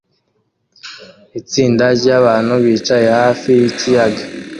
Itsinda ryabantu bicaye hafi yikiyaga